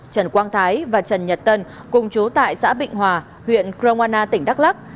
trần quang thái và trần nhật tân cùng chú tại xã bình hòa huyện kramwana tỉnh đắk lắc